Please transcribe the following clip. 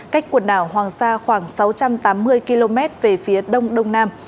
cách quần đảo hoàng sa khoảng sáu trăm tám mươi km về phía đông đông nam